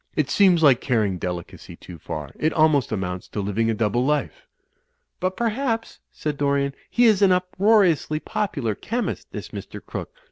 It seems like carrying delicacy too far. It almost amounts to living a double life." "But, perhaps," said Dorian, "he is an uproariously popular chemist, this Mr. Crooke.